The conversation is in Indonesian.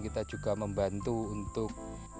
kita juga membantu untuk